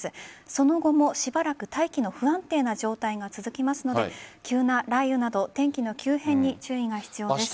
その後もしばらく大気の不安定な状態が続きますので急な雷雨など天気の急変に注意が必要です。